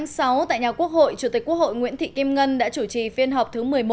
ngày tháng sáu tại nhà quốc hội chủ tịch quốc hội nguyễn thị kim ngân đã chủ trì phiên họp thứ một mươi một